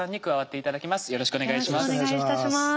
よろしくお願いします。